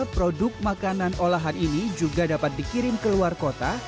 produk makanan olahan ini juga dapat dikirim ke luar kota